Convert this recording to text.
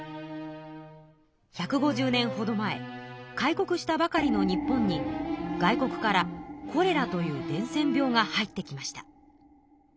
１５０年ほど前開国したばかりの日本に外国からコレラという伝染病が入ってきました。